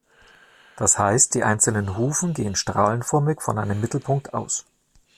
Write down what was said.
Das heißt die einzelnen Hufen gehen strahlenförmig von einem Mittelpunkt aus.